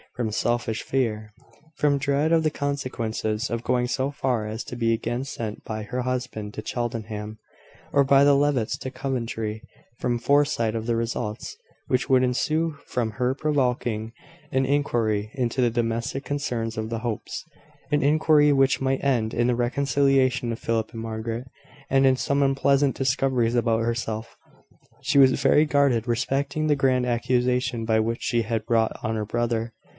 From selfish fear, from dread of the consequences of going so far as to be again sent by her husband to Cheltenham, or by the Levitts to Coventry; from foresight of the results which would ensue from her provoking an inquiry into the domestic concerns of the Hopes an inquiry which might end in the reconciliation of Philip and Margaret, and in some unpleasant discoveries about herself she was very guarded respecting the grand accusation by which she had wrought on her brother.